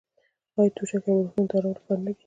آیا توشکې او بالښتونه د ارام لپاره نه دي؟